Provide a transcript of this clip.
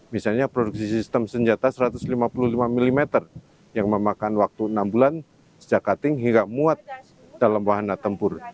misalnya produksi sistem senjata satu ratus lima puluh lima mm yang memakan waktu enam bulan sejak cutting hingga muat dalam wahana tempur